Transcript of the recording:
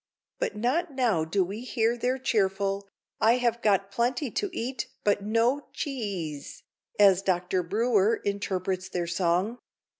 But not now do we hear their cheerful "I have got plenty to eat but no che eze," as Dr. Brewer interprets their song.